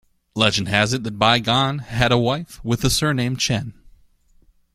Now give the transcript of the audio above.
Legend has it that Bi Gan had a wife with the surname Chen.